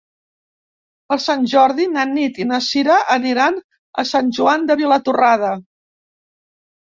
Per Sant Jordi na Nit i na Cira aniran a Sant Joan de Vilatorrada.